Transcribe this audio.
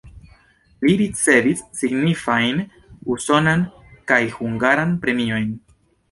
Li ricevis signifajn usonan kaj hungaran premiojn.